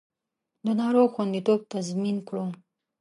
د ناروغ خوندیتوب تضمین کړو